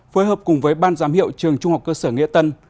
phối hợp cùng với ban giám hiệu trường trung học cơ sở nghĩa tân